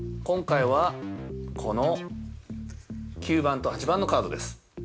今回は、この９番と８番のカードです。